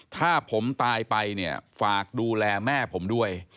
ถ้าผมตายไปเนี่ยฝากดูแลแม่ผมด้วย